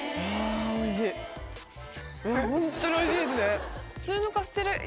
ホントにおいしいですね。